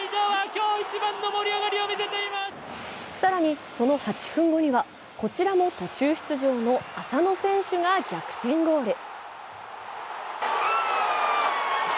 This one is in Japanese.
更にその８分後にはこちらも途中出場の浅野選手が逆転ゴール。